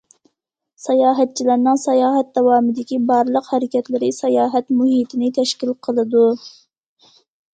ساياھەتچىلەرنىڭ ساياھەت داۋامىدىكى بارلىق ھەرىكەتلىرى ساياھەت مۇھىتىنى تەشكىل قىلىدۇ.